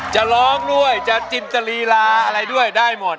จะร้องด้วยจะจินตรีลาอะไรด้วยได้หมด